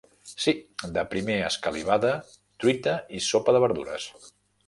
Sí, de primer, escalivada, truita i sopa de verdures.